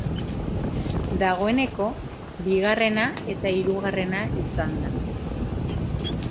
Dagoeneko, bigarrena eta hirugarrena izan da.